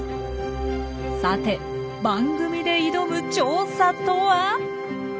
さて番組で挑む調査とは？